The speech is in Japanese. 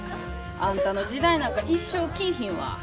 あんたの時代なんか一生来ぃひんわ。